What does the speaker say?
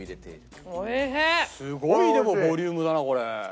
すごいボリュームだなこれ。